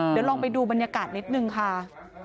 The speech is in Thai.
เดี๋ยวลองไปดูบรรยากาศนิดนึงค่ะ